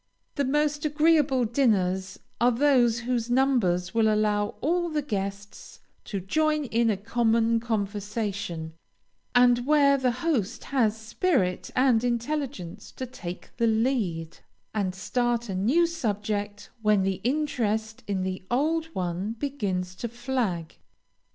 The most agreeable dinners are those whose numbers will allow all the guests to join in a common conversation, and where the host has spirit and intelligence to take the lead, and start a new subject when the interest in the old one begins to flag.